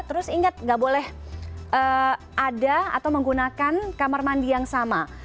terus ingat nggak boleh ada atau menggunakan kamar mandi yang sama